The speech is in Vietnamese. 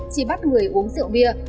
chỉ bắt người uống rượu bia